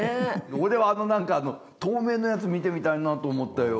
俺はあの何か透明なやつ見てみたいなと思ったよ。